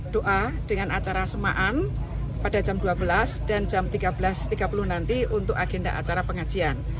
doa dengan acara semaan pada jam dua belas dan jam tiga belas tiga puluh nanti untuk agenda acara pengajian